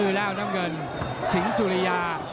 ลืมฟื้อแล้วน้ำเงินสิงห์สุระยา